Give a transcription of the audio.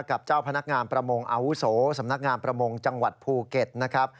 กับเจ้าพนักงานประมงอาวุโสสำนักงานประมงจังหวัดภูเก็ตนะครับ